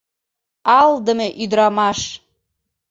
Алдыме ӱдырамаш!